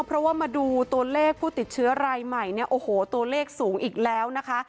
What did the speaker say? เพราะว่ามาดูตัวเลขผู้ติดเชื้อรายใหม่เนี่ยโอ้โหตัวเลขสูงอีกแล้วนะคะ